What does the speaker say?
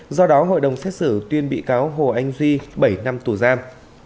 do đó hội đồng xét xử tuyên bị cáo hồ anh duy bảy năm tù giam